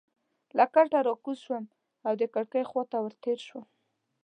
له کټه راکوز شوم او د کړکۍ خوا ته ورتېر شوم.